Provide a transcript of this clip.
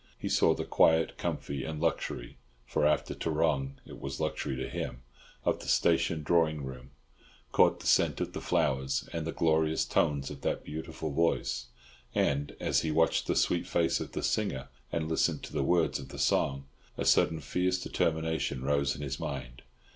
He saw the quiet comfort and luxury—for after Tarrong it was luxury to him—of the station drawing room; caught the scent of the flowers and the glorious tones of that beautiful voice; and, as he watched the sweet face of the singer, and listened to the words of the song, a sudden fierce determination rose in his mind.